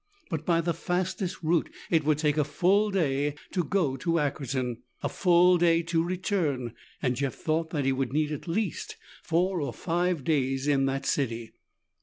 But by the fastest route it would take a full day to go to Ackerton, a full day to return, and Jeff thought that he would need at least four or five days in the city.